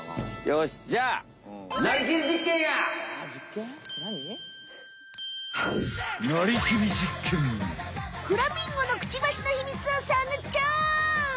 よしじゃあフラミンゴのクチバシのヒミツを探っちゃおう！